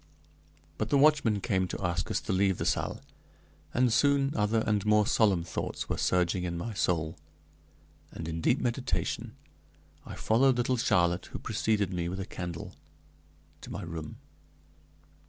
But the watchman came to ask us to leave the salle, and soon other and more solemn thoughts were surging in my soul, and in deep meditation I followed little Charlotte, who preceded me with a candle to my room.